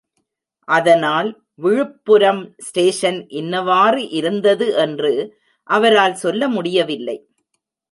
அதனால் விழுப்புரம் ஸ்டேஷன் இன்னவாறு இருந்தது என்று அவரால் சொல்ல முடியவில்லை.